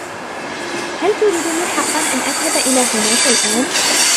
هل تريدني حقاً أن أذهب إلى هناك الأن؟